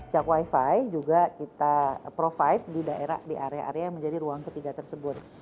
jak wifi juga kita provide di daerah di area area yang menjadi ruang ketiga tersebut